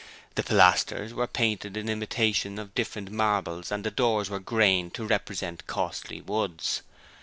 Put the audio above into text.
The pilasters were painted in imitation of different marbles and the doors grained to represent costly woods.